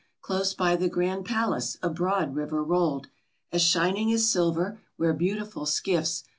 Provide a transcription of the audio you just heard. Close by the grand palace a broad river rolled, As shining as silver ; where beautiful skiffs.